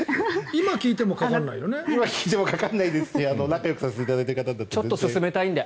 今聞いてもかからないですし仲よくさせていただいている方だったら。